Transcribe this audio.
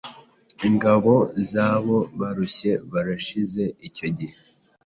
Ingabo zabobarushye barashizeho icyo gihe